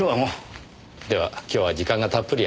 では今日は時間がたっぷりある。